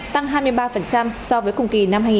tăng hai mươi ba so với cùng kỳ năm hai nghìn một mươi ba